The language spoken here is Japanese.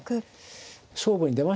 勝負に出ましたね。